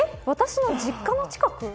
私の実家の近く。